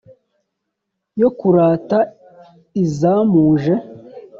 Yo kurata Izamuje,